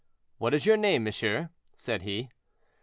"What is your name, monsieur?" said he.